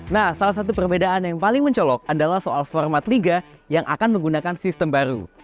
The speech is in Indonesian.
nah salah satu perbedaan yang paling mencolok adalah soal format liga yang akan menggunakan sistem baru